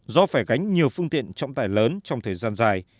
do phải gánh nhiều phương tiện trọng tải lớn trong thời gian dài